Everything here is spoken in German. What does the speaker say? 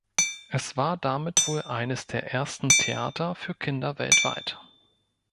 Es war damit wohl eines der ersten Theater für Kinder weltweit.